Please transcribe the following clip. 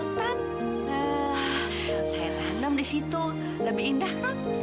ya saya tanam di situ lebih indah kan